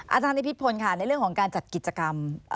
อาจารย์พิธภนในเรื่องของการจัดกิจกรรม